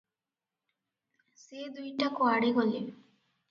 ସେ ଦୁଇଟା କୁଆଡ଼େ ଗଲେ?